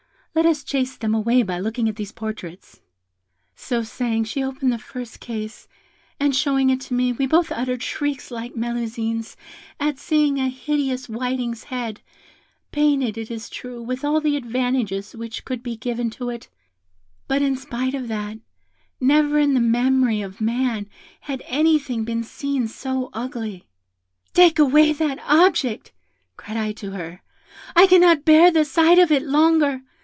Let us chase them away by looking at these portraits.' "So saying, she opened the first case, and showing it to me, we both uttered shrieks like Melusine's at seeing a hideous whiting's head, painted, it is true, with all the advantages which could be given to it; but, in spite of that, never in the memory of man had anything been seen so ugly. 'Take away that object,' cried I to her; 'I cannot bear the sight of it longer.